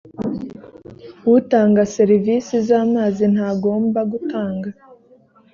utanga serivisi z amazi ntagomba gutanga